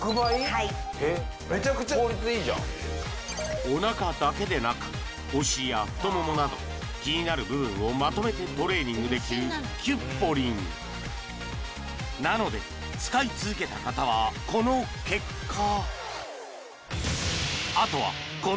はいおなかだけでなくおしりや太ももなど気になる部分をまとめてトレーニングできるキュッポリンなので使い続けた方はこの結果！